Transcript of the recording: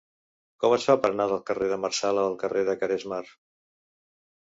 Com es fa per anar del carrer de Marsala al carrer de Caresmar?